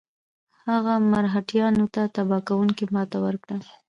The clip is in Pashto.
هغه مرهټیانو ته تباه کوونکې ماته ورکړه.